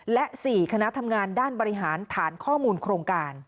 และ๔คณะทำงานด้านบริหารฐานข้อมูลโครงการ